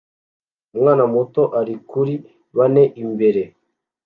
Umwana muto ari kuri bane imbere